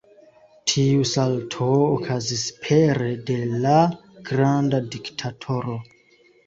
Tiu salto okazis pere de "La granda diktatoro".